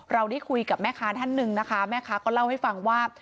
เราได้คุยกับแม่ค้าท่านหนึ่งนะคะแม่ค้าก็เล่าให้ฟังว่า